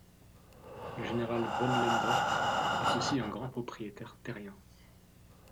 Le général von Lehndorff est aussi un grand propriétaire terrien.